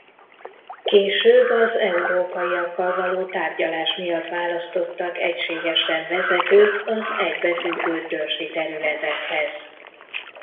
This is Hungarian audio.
Később az Európaiakkal való tárgyalás miatt választottak egységesen vezetőt az egybefüggő törzsi területekhez.